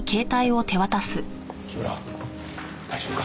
木村大丈夫か？